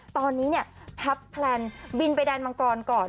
ตอนนี้เนี่ยพับแพลนบินไปแดนมังกรก่อน